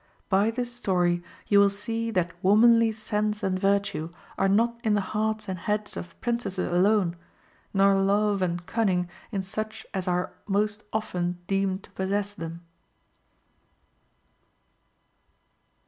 By this story you will see that womanly sense and virtue are not in the hearts and heads of Princesses alone, nor love and cunning in such as are most often deemed to possess them."